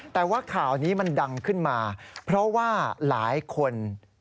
แต่ว่าข่าวนี้มันดังขึ้นมาเพราะว่าหลายคน